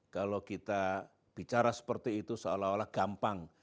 kalau kita bicara seperti itu seolah olah gampang